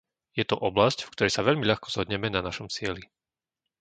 Je to oblasť, v ktorej sa veľmi ľahko zhodneme na našom cieli.